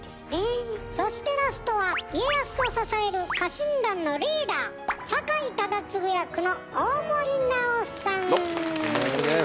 そしてラストは家康を支える家臣団のリーダー酒井忠次役のどうも大森です。